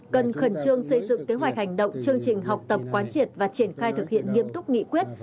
cần khẩn trương xây dựng kế hoạch hành động chương trình học tập quán triệt và triển khai thực hiện nghiêm túc nghị quyết